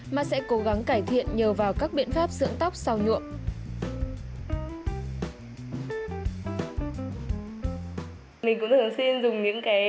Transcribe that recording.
mà sẽ cố gắng cải thiện nhờ vào các biện pháp dưỡng tóc sau nhuộm